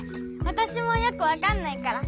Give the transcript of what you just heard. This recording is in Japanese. わたしもよくわかんないから。